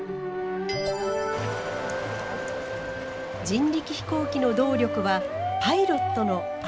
人力飛行機の動力はパイロットの脚。